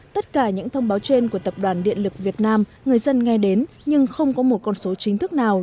tất cả những thông báo trên của tập đoàn điện lực việt nam người dân nghe đến nhưng không có một con số chính thức nào